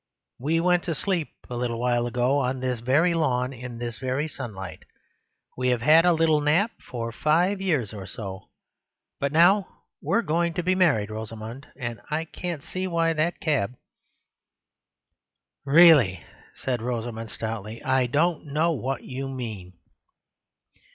We went to sleep a little while ago on this very lawn, in this very sunlight. We have had a little nap for five years or so, but now we're going to be married, Rosamund, and I can't see why that cab..." "Really," said Rosamund stoutly, "I don't know what you mean."